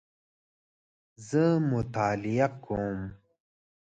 زه مطالعه کوم